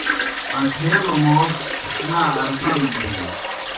ان٘ٹَھیلوْ موس شِنا ارزان بِینوْ۔